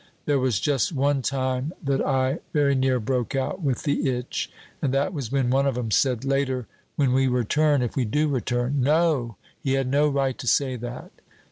There was just one time that I very near broke out with the itch, and that was when one of 'em said, 'Later, when we return, if we do return.' NO! He had no right to say that.